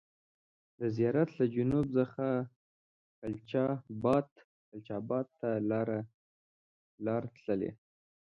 د زیارت له جنوب څخه کلچا بات ته لار تللې.